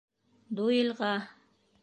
Дуэлға!